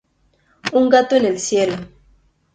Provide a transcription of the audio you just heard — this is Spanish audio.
Un Gato en el cielo